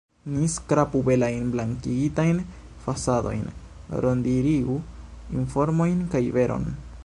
Ni skrapu belajn blankigitajn fasadojn, rondirigu informojn kaj veron!